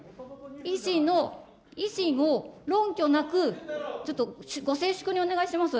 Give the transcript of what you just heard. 維新の、維新を論拠なく、ちょっとご静粛にお願いします。